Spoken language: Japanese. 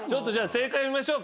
正解見ましょうか。